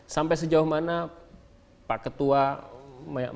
sampai sejauh mana pak ketua memastikan dan memastikan